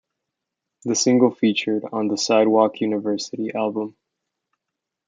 The single featured on the "Sidewalk University" album.